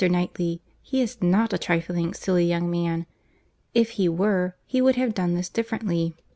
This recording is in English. Knightley, he is not a trifling, silly young man. If he were, he would have done this differently.